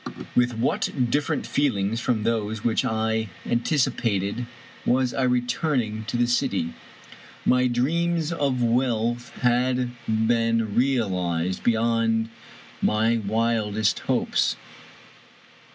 With what diflferent feelings from those which I antici pated was I returning to the city. My dreams of wealth had been realized beyond my wildest hopes.